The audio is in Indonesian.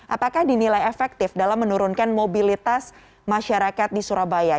apakah dinilai efektif dalam menurunkan mobilitas masyarakat di surabaya